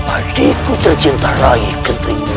adikku tercinta rai kenting